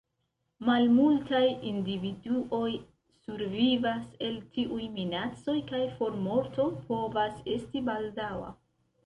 Malmultaj individuoj survivas el tiuj minacoj kaj formorto povas esti baldaŭa.